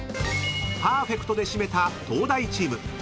［パーフェクトで締めた東大チーム］